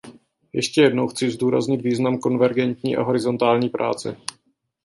Ještě jednou chci zdůraznit význam konvergentní a horizontální práce.